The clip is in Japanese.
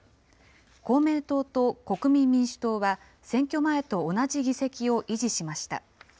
公明党と国民民主党は選挙前と同じ議席を維持しました。